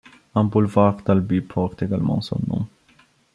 Un boulevard d'Albi porte également son nom.